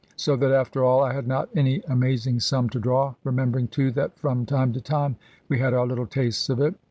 So that, after all, I had not any amazing sum to draw, remembering, too, that from time to time we had our little tastes of it.